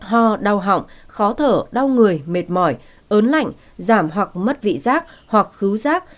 ho đau họng khó thở đau người mệt mỏi ớn lạnh giảm hoặc mất vị giác hoặc khứu giác